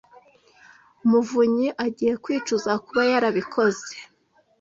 muvunyi agiye kwicuza kuba yarabikoze.